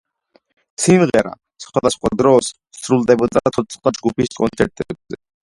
სიმღერა სხვადასხვა დროს სრულდებოდა ცოცხლად ჯგუფის კონცერტებზე.